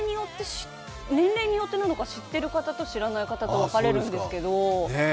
年齢によってなのか、知っている方と知らない方と分かれるんですけど。